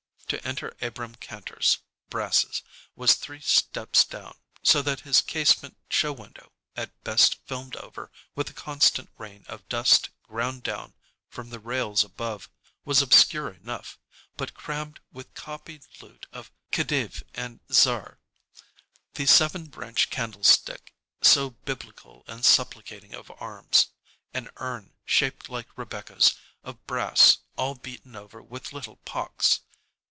To enter Abrahm Kantor's Brasses, was three steps down, so that his casement show window, at best filmed over with the constant rain of dust ground down from the rails above, was obscure enough, but crammed with copied loot of khedive and of czar. The seven branch candlestick so biblical and supplicating of arms. An urn, shaped like Rebecca's, of brass, all beaten over with little pocks.